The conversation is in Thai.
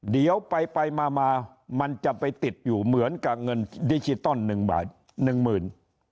เดี๋ยวไปไปมามามันจะไปติดอยู่เหมือนกับเงินดิจิตอลหนึ่งบาทหนึ่งหมื่น